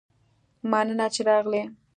مننه چې راغلي